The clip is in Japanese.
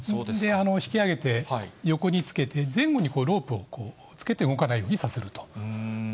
引き揚げて、横につけて、前後にロープをつけて動かないようにさせると。